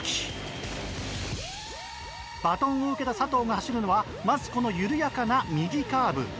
バトンを受けた佐藤が走るのはまずこの緩やかな右カーブ